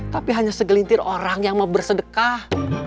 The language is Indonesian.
tapi hanya segelintir orang yang mau bersedekah